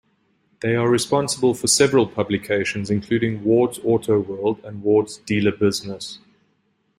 They are responsible for several publications including, "Ward's AutoWorld", and "Ward's Dealer Business".